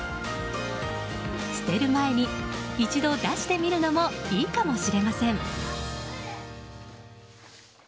捨てる前に一度出してみるのもいいかもしれません。